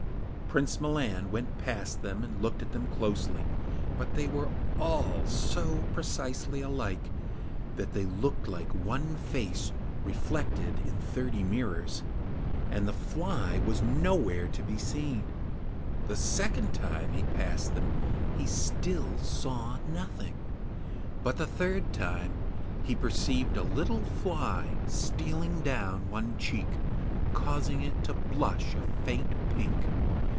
Prince Milan went past them and looked at them closely. But they were all so precisely alike that they looked like one face reflected in thirty mirrors, and the fly was nowhere to be seen; the second time he passed them he still saw nothing; but the third time he perceived a little fly stealing down one cheek, causing it to blush a faint pink.